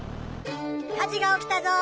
火事がおきたぞ！